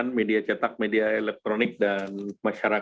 terima kasih pak menko maritres